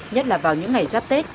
nhất là vào những ngày giáp tết